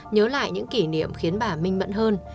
nhớ lại những kỷ niệm khiến bà minh mẫn hơn